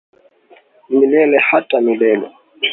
Milele hata milele.